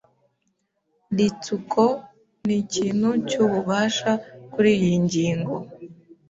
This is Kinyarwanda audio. Ritsuko nikintu cyububasha kuriyi ngingo.